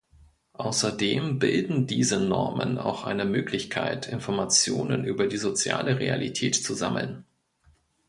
Außerdem bilden diese Normen auch eine Möglichkeit, Informationen über die soziale Realität zu sammeln.